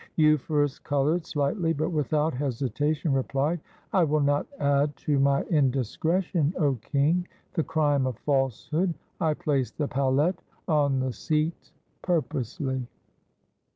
" Euphorus colored slightly, but without hesitation replied, "I will not add to my indiscretion, 0 king, the crime of falsehood. I placed the palette on the seat purposely."